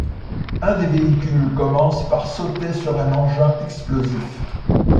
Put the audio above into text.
Un des véhicules commence par sauter sur un engin explosif.